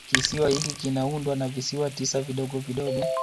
Kisiwa hiki kinaundwa na visiwa tisa vidogo vidogo